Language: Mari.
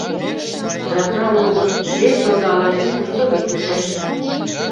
— Жапна уло гын, вес модо аланет кушто, Митюшем?